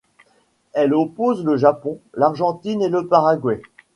Elle oppose le Japon, l'Argentine et le Paraguay.